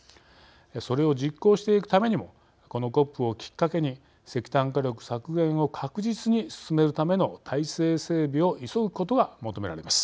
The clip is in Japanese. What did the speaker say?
それを実行していくためにもこのＣＯＰをきっかけに石炭火力削減を確実に進めるための体制整備を急ぐことが求められます。